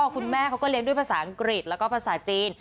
คุณแม่เขาก็เลี้ยงด้วยภาษาอังกฤษแล้วก็ภาษาจีน